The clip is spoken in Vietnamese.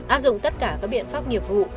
áp dụng tất cả các biện pháp nghiệp vụ